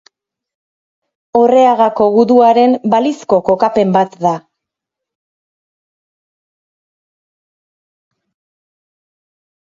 Orreagako guduaren balizko kokapen bat da.